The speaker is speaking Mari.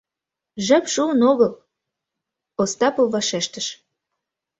— Жап шуын огыл, — Остапов вашештыш.